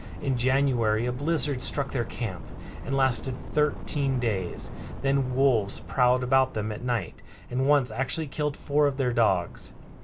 In January a blizzard struck their camp and lasted thirteen days; then wolves prowled about them at night, and once actually killed four of their dogs.